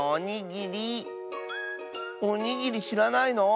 おにぎりしらないの？